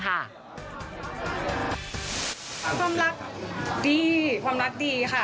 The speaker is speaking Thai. ความรักดีความรักดีค่ะ